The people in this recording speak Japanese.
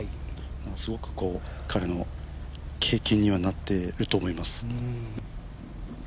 すごく彼の経験にはなっていると思います。